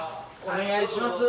お願いします。